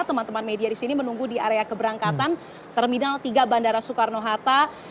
teman teman media di sini menunggu di area keberangkatan terminal tiga bandara soekarno hatta